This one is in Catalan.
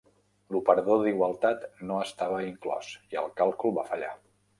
L'operador d'igualtat no estava inclòs, i el càlcul va fallar.